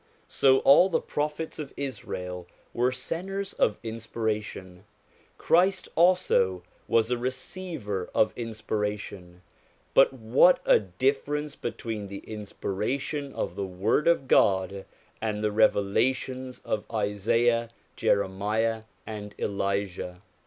So all the Prophets of Israel were centres of inspiration; Christ also was a receiver of inspiration; but what a differ ence between the inspiration of the Word of God and the revelations of Isaiah, Jeremiah, and Elijah